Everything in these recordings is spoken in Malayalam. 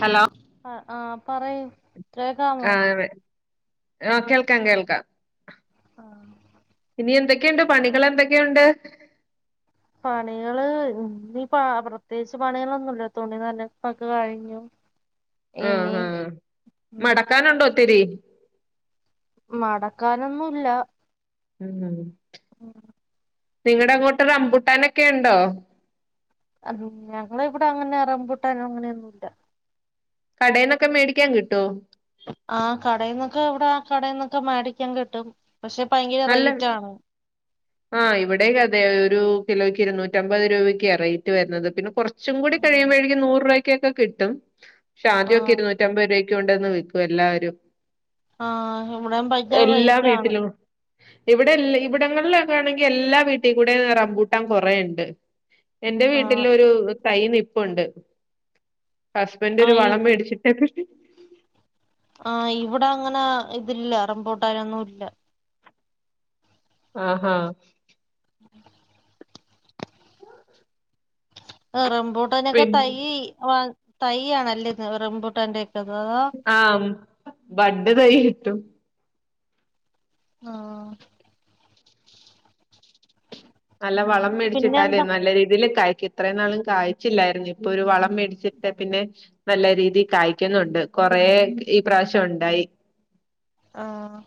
ഹലോ ആഹ് ആഹ് പറയൂ കേക്കാമോ ആതെ ആഹ് കേൾക്കാം കേൾക്കാം ഇനി എന്തൊ ക്കെയുണ്ട് പണികൾ എന്തൊക്കെയുണ്ട് പണികള് ഇനി പ്രത്യേകിച്ച് പണികളൊന്നുല്ല തുണി നനപ്പൊക്കെ കഴിഞ്ഞു ഇനി ഉം ടക്കാനുണ്ടോ ഒത്തിരി മടക്കാനൊന്നും ഇല്ല ഉം ഉം നിങ്ങളടെ അങ്ങോട്ട് റമ്പുട്ടാനൊക്കെ ഉണ്ടോ ഞങ്ങള ഇവിടെ അങ്ങനെ റൂംബൂട്ടാ അങ്ങനെയൊന്നുല്ല കടയിൽന്നൊക്കെ മേടിക്കാൻ കിട്ടോ ആഹ് കടയിൽന്നൊക്കെ ഇവിടെ കടയിൽന്നൊക്കെ മേടിക്കാൻ കിട്ടും പക്ഷെ ഭയങ്കര നല്ല റേറ്റ് ആണ് ആഹ് ഇവിടേയും അതെ ഒരു കിലോക്ക് ഇരു നൂറ്റമ്പത് രൂപയ്ക്കാ റേറ്റ് വരുന്നത് പിന്നെ കുറച്ച് കുറച്ചും കൂടി കഴിയുമ്പോഴേക്കും നൂറ് രൂപയ്ക്കെ കിട്ടും പക്ഷെ ആ ആദ്യമൊക്കെ ഇരുന്നു നറ്റമ്പത് രൂപക്ക്‌ കൊണ്ടന്ന് വിൽക്കും എല്ലാവരും ആഹ ഇവിടെ ഭയകര റേറ്റാണ് ഇവിടെല്ല ഇവിടങ്ങളില് ണെങ്കിൽ എല്ലാ വീട്ടിൽ കൂടെ റംമ്പൂട്ടൻ കുറെ ഉണ്ട് എൻന്റെ ആ വീട്ടില ഒരു തൈ നിപ്പുണ്ട് ഹസ്ബൻഡ് ആ ഒരു വളം മേടിച്ചിട്ടക്ക ആഹ് ഇവിടെ അങ്ങനെ ഇതില്ല. റബൂട്ടാനൊന്നും ഇല്ല. ആഹ് ആഹ് ഉ ആ റംബൂട്ടാനൊക്കെ തയ്യ് ആഹ് തയ്യ് ആഹ് നല്ലഹ്. റംബൂട്ടാന്റെ ക്കെ അതോ. ആഹ് ബഡ്ഡ് തൈ കിട്ടും. ആഹ് നല്ല വളം പിന്നെ മേടിച്ചിട്ടാലേ എന്താ നല്ല രീതിയില് കായ്ക്കു ഇത്രെ നാളും കായ്ച്ചില്ലായിരുന്നു. ഇപ്പൊ ഒരു വളം മേടിച്ചിട്ട് പിന്നെ നല്ല രീതി കായ്ക്കുന്നുണ്ട്. കൊറെ ഈ പ്രാവശ്യം ഉണ്ടായി. ആഹ്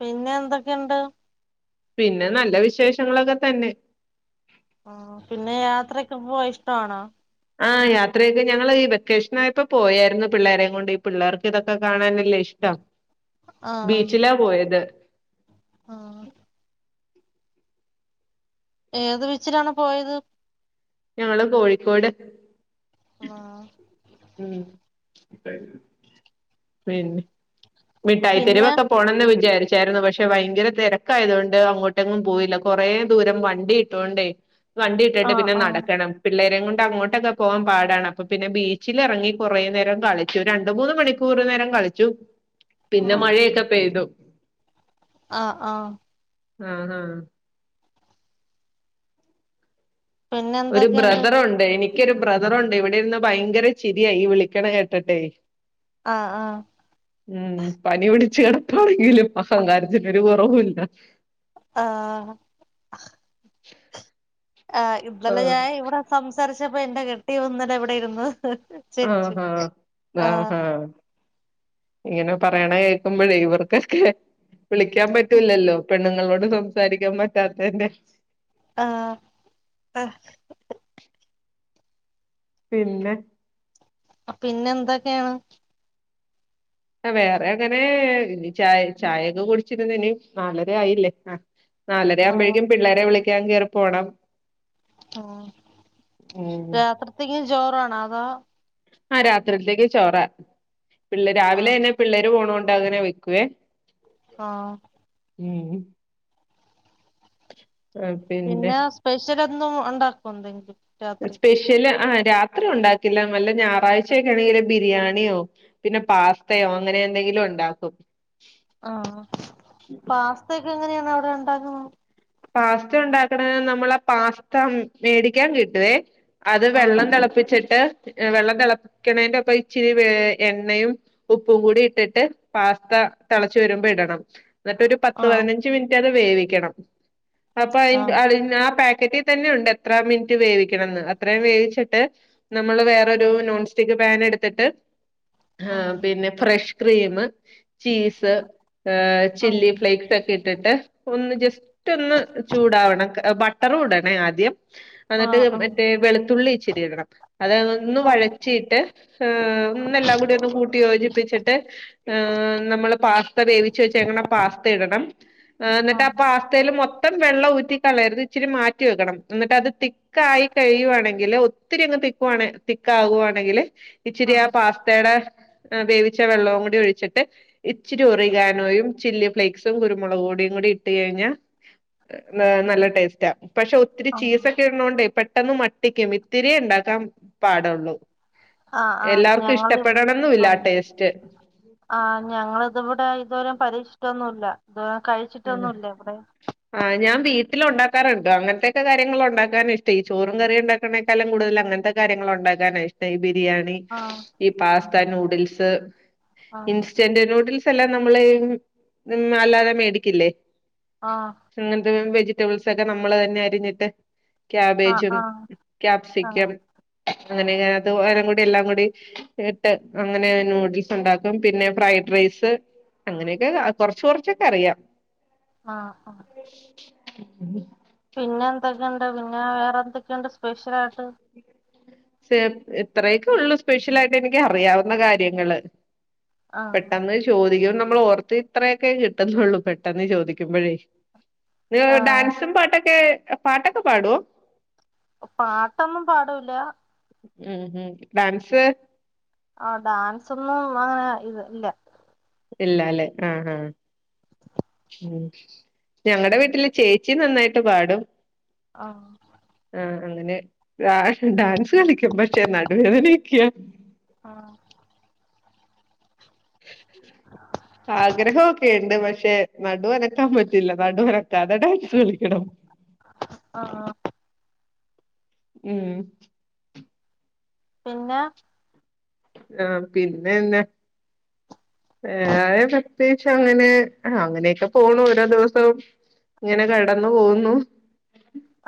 പിന്നെ എന്തൊക്കെണ്ട്. പിന്നെ നല്ല വിശേഷങ്ങളൊക്കെ തന്നെ. ആഹ് പിന്നെ യാത്രക്കെ പോകാൻ ഇഷ്ടാണോ? ആഹ് യാത്രയൊക്കെ ഞങ്ങള് ഈ വെക്കേഷനായപ്പോ പൊയാരുന്നു പിള്ളേരേം കൊണ്ട്. ഈ പിള്ളേർക്ക് ഇതൊക്കെ കാണാനല്ലേ ഇഷ്ടം. ആഹ് ബീച്ചിലാ പോയത് ആഹ്. ഏത് ബീച്ചിലാണ് പോയത്. ഞങ്ങള് കോഴിക്കോട്. ആഹ് ഉം പിന്നെ മിട്ടായി പിന്നെ തെരുവോക്കെ പോണെന്ന് വിചാരിച്ചായിരുന്നു. പക്ഷെ ഭയങ്കര തിരക്കായത് കൊണ്ട് അങ്ങോട്ടങ്ങും പോയില്ല. കുറെ ദൂരം വണ്ടി ട്ത്തൊണ്ടേ. വണ്ടി ഇട്ടിട്ട് ആഹ് പിന്നെ ആഹ് നടക്കണം. പിള്ളേരേം കൊണ്ട് അങ്ങോട്ടൊക്കെ പോകാൻ പാടാണ്. അപ്പ പിന്നെ ബീ ച്ചിലിറങ്ങി കുറേ നേരം കളിച്ചു. രണ്ട് മൂന്ന് മണിക്കൂർ നേരം കളിച്ചു. പിന്നെ ആഹ് മഴയൊക്കെ പെയ്തു. ആഹ്! ആഹ്! ആഹ്! ആഹ്! പിന്നെ ഒരു എന്തൊക്കെയുണ്ട് ബ്രദറുണ്ട്. എനിക്കൊരു ബ്രദറുണ്ട്. ഇവിടെ ഇരുന്ന് ഭയങ്കര ചിരിയാ ഈ വിളിക്കണ കേട്ട്ട്ടെ. ആഹ്! ആഹ്! ഉം... പനി പിടിച്ച് കിടപ്പാണെങ്കിലും അഹങ്കാരത്തിനൊരു കുറവു ല്ല. ആഹ്! ആഹ്! ഇന്നലെ ആഹ് ഞാൻ ഇവിടെ സംസാരിച്ചപ്പോ എന്റെ കെട്ടിയോൻ ഇന്നലെ ഇവിടെയിരുന്നു. ആഹ് ആഹ്! ആഹ്! ആഹ്! ഇങ്ങനെ പറയണ കേൾക്കുമ്പോഴേ ഇവർക്കൊക്കെ വിളിക്കാൻ പറ്റൂല്ലല്ലോ. പെണ്ണുങ്ങളോട് സംസാരിക്കാൻ പറ്റാത്തതിന്റെ ആഹ്! ആഹ്! പിന്നെ അപ് പിന്നെ എന്തൊക്കെയാണ്? ആഹ് വേറെ അങ്ങനെ ചായ ചായയൊക്കെ കുടിച്ചിരുന്ന ഇനി നാലര ആയില്ലേ. ആഹ്! നാലര ആഹ് ആവുമ്പോഴേക്കും പിള്ളേരെ വിളിക്കാൻ കേറി പോണം. ഉം.... ഉം രാത്രിത്തേക്കും ചോറാണോ? അതോ? ആഹ്! രാത്രിത്തേക്കും ചോറാ. പിള്ളേര് രാവിലെ ആഹ് ന്നെ പിള്ളേര് പോണോണ്ട് അങ്ങനെ വെക്കുവേ. ആഹ്! ഉം..... ഉം.... പിന്നെ സ്പെഷ്യലൊന്നും ഉണ്ടാക്കൊ ന്തെങ്കിലും. സ്പെഷ്യല് ആ രാത്രി ഉണ്ടാക്കില്ല വല്ല ഞാറാഴ്ചയൊക്ക ആണെങ്കില് ബിരിയാണ്യോ പിന്നെ പാസ്തയോ അങ്ങനെ എന്തെങ്കിലും ഉണ്ടാക്കും. ആഹ് പാസ്തൊക്കെ എങ്ങനെയാണ് അവിടെ ഉണ്ടാക്കുന്നത്? പാസ്ത ഇണ്ടാക്ക്ണ നമ്മളാ പാസ്ത മേടിക്ക്യാൻ കിട്ടുവേ. അത് ആഹ് വെള്ളം തിളപ്പിച്ചിട്ട് വെള്ളം തിളക്ക്ണേന്റൊപ്പം ഇച്ചിരി എണ്ണയും. ഉപ്പും കൂടി ഇട്ടിട്ട് പാസ്ത തിളച്ച് വരുമ്പോ ഇടണം. എന്നിട്ടൊരു പത്ത് ആഹ് പതിനഞ്ച് മിൻറ്റ് അത് വേവിക്കണം അപ്പ അയ് ആഹ് ആ പാക്കറ്റ് റ്റി തന്നെ ഉണ്ട് എത്ര മിനിറ്റ് വേവിക്കണന്ന് അത്രയും വേവിച്ചിട്ട് നമ്മൾ വേറൊരു നോൺ സ്റ്റിക്ക് പാൻ എട്‌ത്തിട്ട് ആഹ് പിന്നെ ഫ്രഷ് ക്രീമ് ചീസ് ഏഹ് ചില്ലി ഫ്ലേക്സൊക്കെ ഇട്ടിട്ട് ഒന്ന് ജസ്റ്റ് റ്റൊന്ന് ചൂടാവണം ബട്ടറും ഇടണേ ആദ്യം. ആഹ് എന്നിട്ട് ആഹ് മറ്റേ വെളുത്തുള്ളി ഇച്ചിരി ഇടണം. അത് ഒന്ന് ആഹ് വഴറ്റിയിട്ട് ഏഹ് ഒന്നെല്ലാം കൂടി ഒന്ന് കൂട്ടി യോജിപ്പിച്ചിട്ട് ഏഹ് നമ്മള് പാസ്ത വേവിച്ച വെച്ചേക്കണ പാസ്ത ഇടണം എന്നിട്ട് ആ ആഹ് പാസ് തേല് മൊത്തം വെള്ളം ഊറ്റി കളയര്ത് ഇച്ചിരി മാറ്റി വെക്കണം എന്നിട്ട് അത് തി ക്കായി കഴിയുവാണെങ്കില് ഒത്തിരി അങ്ങ് തിക്കുവാണ തിക്കാവാണെങ്കില് ആഹ് ഇച്ചിരി ആ ആഹ് പാസ്തേടെ വേവിച്ച വെള്ളവും കൂടി ഒഴിച്ചിട്ട് ഇച്ചിരി ഒറിഗാനോയും, ചില്ലി ഫ്ലേക്സും, കുരുമുളക്കോടിയും കൂടി ഇട്ട് കഴിഞ്ഞാ ഏഹ് നല്ല ടേസ്റ്റാ പക്ഷെ ഒത്തിരി ചീസൊക്കെ കോണ്ടേ പെട്ടെന്ന് മട്ടിക്കും ഇത്തിരിയേ ഇണ്ടാക്കാൻ പാടൊള്ളൂ. ആഹ് ആഹ് ആഹ് ആഹ് എല്ലാർക്കും ഞങ്ങള് ഇഷ്ടപ്പെടണന്നുംല്ല ആഹ് ടേസ്റ്റ്. ആഹ് ഞങ്ങള് ഇത് ഇവ്ടെ ഇതുവരെം പരിക്ഷീച്ചിട്ടൊന്നുല്ല ഇതുവരെ കഴിച്ചിട്ടൊന്നുല്ല ഇവിടെ. ആഹ് ഞാൻ വീട്ടില് ഉണ്ടാക്കാറ്ണ്ട് അങ്ങനത്തെക്കെ കാര്യങ്ങള് ഉണ്ടാക്കാന ഇഷ്ട ഈ ചോറും കറി ണ്ടാ ക്ക്ന്നേകാലും കൂടുതൽ അങ്ങൻത്തെ കാര്യങ്ങളു ഉണ്ടാക്കാനാ ഇഷ്ട ഈ ബിരിയാണി ആഹ് ഈ പാസ്ത, ആഹ് നൂഡിൽസ് ഇൻസ് ആഹ് സ്റ്റന്റ് നൂഡിൽസ് എല്ലാം നമ്മള് ഉം അല്ലാതെ മേടിക്കില്ലേ? ആഹ് അങ്ങൻത്തെ വെജിറ്റബിൾസൊ ക്കെ നമ്മള് തന്നെ അരിഞ്ഞിട്ട് ക്യാബേജും, ആഹ് ആഹ് ക്യാപ്സിക്കം അങ്ങനെയെത് നേരം കൂടി എല്ലാം കൂടി ഇട്ട് അങ്ങനെ നൂഡിൽസ് ഉണ്ടാക്കും. പിന്നെ ഫ്രൈഡ് റൈസ് അങ്ങനെയൊക്കെ കൊർച്ച് കുറച്ചൊക്കെ അറിയാം. ആഹ് ആ [inaudible] പിന്നെ എന്തൊക്കെണ്ട് പിന്നെ വേറെന്തൊക്കെണ്ട് സ്പെഷ്യലാ യിട്ട്? ചേർ ഇത്രയൊക്കെ ഒള്ളു സ്പെഷ്യലായിട്ട് എനിക്ക് അറിയാവുന്ന കാര്യങ്ങള്. ആ പെട്ടെന്ന് ചോദിക്കുമ്പ നമ്മള് ഓർത്ത് ഇത്രയൊക്കെ കിട്ടുന്നുള്ളൂ. പെട്ടെന്ന് ചോദിക്കുമ്പഴേ. നിങ്ങള് ആ ഡാൻസും പാട്ടൊക്കെ പാട്ടൊക്കെ പാടോ? പാട്ടൊന്നും പാടുല്ല. ഉം ഉം ഡാൻസ്? ആഹ് ഡാൻസ് ഒന്നും ആഹ് ഇല്ല. ഇല്ലല്ലെ ആഹ് ആഹ്. ഉം ഞങ്ങടെ വീട്ടില് ചേച്ചി നന്നായ്ട്ട് പാടും. ആഹ്. ആഹ് അങ്ങനെ ഡാൻ ഡാൻസ് കളിക്കും പക്ഷെ നടുവേദനയൊക്കെയ. ആഹ് ആഗ്രഹം ഒക്കെയുണ്ട് പക്ഷെ നടു അനക്കാൻ പറ്റില്ല നടു അനക്കാതെ ഡാൻസ് കളിക്കണം. ആഹ് ഉം പിന്നെ? ആഹ് പിന്നെ എന്നാ? വേറെ പ്രത്യേകിച്ച് അങ്ങനെ അങ്ങനെയൊക്കെ പോവുണു ഓരോ ദിവസവും. ഇങ്ങനെ കടന്നു പോകുന്നു.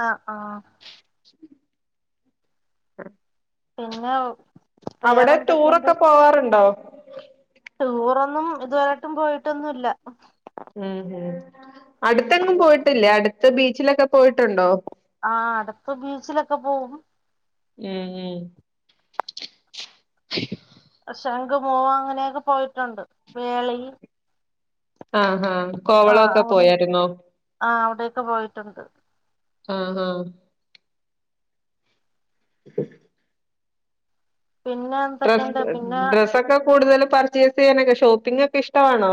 ആഹ് ആഹ്. ആഹ് പിന്നെ അവടെ വേറെന്തൊക്കെയുണ്ട് ടൂറൊക്കെ പോവാറുണ്ടോ? ടൂറൊന്നും ഇതുവരെ ആയിട്ടും പോയിട്ടൊന്നുവില്ല. ഉം ഉം അടുത്തെങ്ങും പോയിട്ടില്ലേ? അടുത്ത് ബീച്ചിലൊക്കെ പോയിട്ടുണ്ടോ? ആഹ് അടുത്ത് ബീച്ചിലക്കെ പോവും. ഉം ഉം ശംഖുമുഖം, അങ്ങനെയെക്കെ പോയിട്ടുണ്ട് വേളി ആഹ് ആഹാ ആഹ് അവിടെ ആഹ് അവിടെ ഒക്കെ പോയിട്ടുണ്ട്. ആഹ് ആഹ്. പിന്നെ? ഡ്ര എന്തൊക്കെയുണ്ട് പിന്നെ ഡ്രസ്സൊക്കെ കൂടുതലും പർച്ചേയ്സ് ചെയ്യാനൊക്കെ ഷോപ്പിംഗ് ഒക്കെ ഇഷ്ട്ടവാണോ?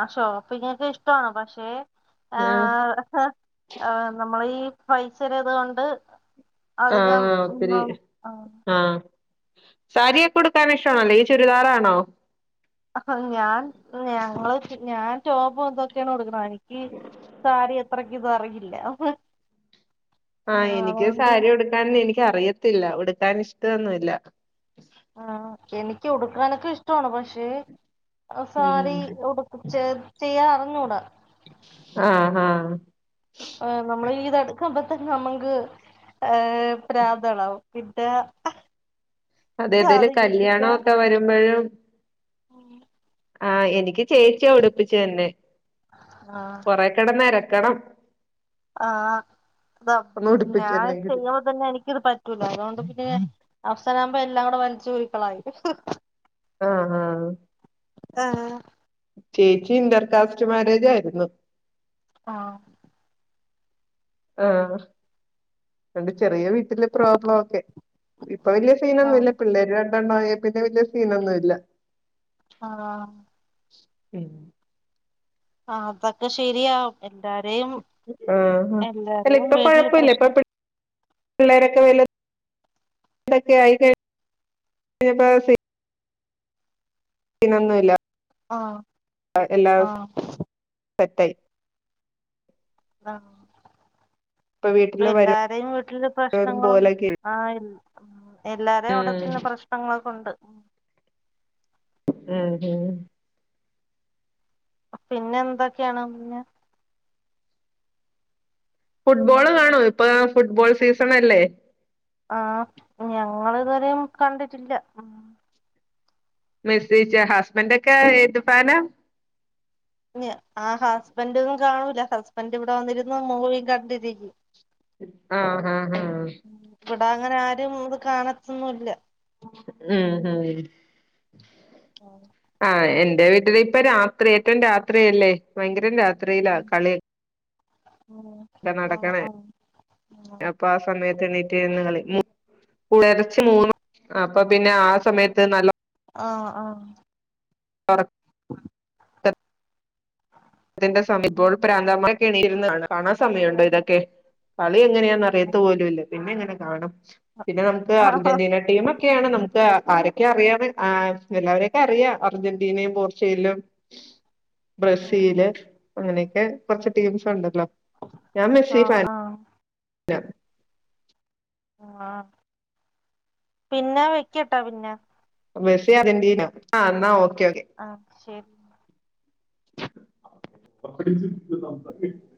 ആഹ് ഷോപ്പിംഗ് ഒക്കെ ഇഷ്ടവാണ് പക്ഷെ ആഹ് ഏഹ് ആഹ് നമ്മള് ഈ പൈസയുടെ ഇത് കൊണ്ട് അധികം ആഹ് ഒത്തിരി ഒന്നും ആഹ് സാരിയൊക്കെ ഉടുക്കാൻ ഇഷ്ട്ടവാണോ? അല്ലെങ്കി ചുരിദാറാണോ? ഞാൻ ഞങ്ങള് ഞാൻ ടോപും ഇതൊക്കെയാണ് ഉടുക്ക്ണ എനിക്ക് സാരി അത്രക്കിത് അറിയില്ല. ആഹ് എനിക്കും സാരി ഉടുക്കാൻ എനിക്ക് അറിയത്തില്ല. ഉടുക്കാൻ ഇഷ്ട്ടവൊന്നുവില്ല. ആഹ് എനിക്ക് ഉടുക്കാനൊക്കെ ഇഷ്ട്ടവാണ്. പക്ഷേ ആ സാരി ഉം ഉടുക്ക ചെ ചെയ്യാ അറിഞ്ഞൂട ആഹ് ആഹ്. ഏഹ് നമ്മള് ഈ ഇതെടുക്കാമ്പത്ത്ക്ക് നമ്മക്ക് ഏഹ് ഭ്രാന്തെളവും പിന്നെ അതെ ഏതേലും സാധിക്കും കല്ല്യാണവൊക്കെ വരുമ്പഴും അങ്ങനെ ആഹ് എനിക്ക് ചേച്ചിയാ ഉടിപ്പിച്ചു തരുന്നെ ആഹ് കൊറേ കെടന്ന് എരക്കണം ആഹ് അതാ ഒന്ന് പിന്നെ ഞാൻ ഉടുപ്പിച്ചെന്നെങ്കില് ചെയ്യ നിന്ന എനിക്കിത് പറ്റൂല അതുകൊണ്ട് പിന്നെ ഞാൻ അവസാനാകുമ്പോ എല്ലാം കൂടെ വലിച്ചൂരി കളയും ആഹ് ആഹ് ആഹ് ചേച്ചി ഇന്റർകാസ്റ്റ് മാരേജായിരുന്നു ആണോ? ആഹ് അതോണ്ട് ചെറിയ വീട്ടില് പ്രോബ്ലം ഒക്കെ ഇപ്പൊ വെല്ല്യ സീനൊന്നുല്ല പിള്ളേര് രണ്ടെണ്ണം ആയേ പിന്നെ വെല്ല്യ സീനൊന്നു ഇല്ലാ ആഹ് പിൻ ആഹ് അതൊക്കെ ശെരിയാവും എല്ലാരേയും ആഹ് അല്ല എല്ലാരേയും ഇപ്പൊ വീട്ട്ല് കൊഴപ്പമില്ല ഇപ്പൊ പ്രശ്നാ പിള്ളേരൊക്കെ വെല് തെക്കെ ആയി കഴി ഞ്ഞപ്പോ സീ സീനൊന്നു ഇല്ലാ ആഹ് എല്ലാം ആഹ് സെറ്റയ് ആഹ് ഇപ്പൊ പ്പം വീട്ടില് എല്ലാരേം വീട്ട്ല് വരും പ്രശ്നങ്ങളും പോലൊക്കെ ആഹ് എൽ എല്ലാരേ ഉം അവ്ടെത്തന്നെ പ്രശ്നങ്ങൾക്കാെണ്ട് ഉം ഉം പിന്നെ എന്താെക്ക്യാണ് പിന്നെ ഫുട്ബോള് കാണോ ഇപ്പാ ഫുട്ബോൾ സീസണല്ലേ ആഹ് ഞങ്ങളിതുവരേം കണ്ടിട്ടില്ല ഉം മെസ്സേജ് ഹസ്ബൻ്റൊക്കെ ഏത് ഫാനാ ഞ്ഞ് ആഹ് ഹസ്ബൻ്റൊന്നും കാണൂലാ ഹസ്ബന്റ് ഇവ്ടെ വന്നിരുന്ന് മൂവീം കണ്ടിരിക്ക്യും ആഹ് ആഹ് ആഹ് ഇവ്ടെ അങ്ങെനെ ആരും ഇത് കാണത്തൊന്നുല്ല ഉം ഊം ആന്ന് ആഹ് എന്റെ വീട്ടിലിപ്പ രാത്രി ഏറ്റും രാത്രിയെല്ലേ ഭയ്ങ്കരം രാ ത്രിയിലാ കളി ക്കെ ആ ആ നടക്കെണേ ആ അപ് പ്പ ആഹ് സമയത്ത് എണ്ണീറ്റ് നിന്ന് കളി മു പുലർച്ചെ മൂന്നു അപ്പ പിന്നെ ആ സമയത്ത് നല്ലൊ ആഹ് ആഹ് ഒറ ക്ക ത്തിന്റെ സമയം ബോൾപ്പ [unintelligible] എണീറ്റിര്ന്ന് കാണാ കാണാൻ സമയണ്ടോ ഇതൊക്കെ കളി എങ്ങെനെയാന്ന അറിയത്തുപോലു ഇല്ല പിന്നെങ്ങെനെ കാണും പിന്നെ നമുക്ക് അർജന്റീന ടീമൊക്കെയാണ് നമുക്ക് ആരൊക്കെ അറിയാ മീൻസ് ആഹ് എല്ലാവരെയൊക്കെ അറിയാ അർജെന്റീനെയും പോർച്ച്ഗെല്ലും ബ്രസീല് അങ്ങെനെയെക്കെ കാെർച്ച് ടീംസുണ്ടല്ലോ ഞാൻ ആ ആ മെസ്സീ ഫാൻ ആ ആഹ് പിന്നെ വെക്ക്യട്ടാേ പിന്നാ മെസ്സി അറൻ്റീനാ ആഹ് ന്നാ ഓക്കെ ഓക്കെ ആഹ് ശരി [unintelligible]